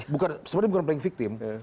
bukan sebenarnya bukan playing victim